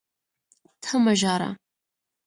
ته مه ژاړه!